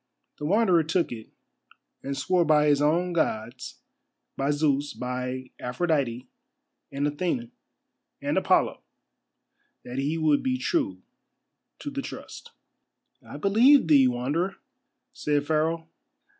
The Wanderer took it, and swore by his own Gods, by Zeus, by Aphrodite, and Athene, and Apollo, that he would be true to the trust. "I believe thee, Wanderer," said Pharaoh.